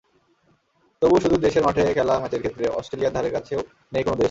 তবে শুধু দেশের মাঠে খেলা ম্যাচের ক্ষেত্রে অস্ট্রেলিয়ার ধারেকাছেও নেই কোনো দেশ।